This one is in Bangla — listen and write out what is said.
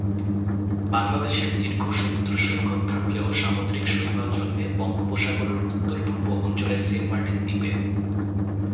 বাংলাদেশের দীর্ঘ সমুদ্রসৈকত থাকলেও সামুদ্রিক শৈবাল জন্মে বঙ্গোপসাগরের উত্তর-পূর্ব অঞ্চলের সেন্টমার্টিন দ্বীপে।